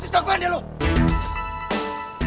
lo mau jalan